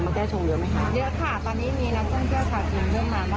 แล้วคนเดินทางมาแก้ชงเหลือไหมค่ะ